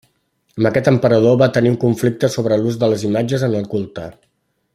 Amb aquest emperador va tenir un conflicte sobre l'ús de les imatges en el culte.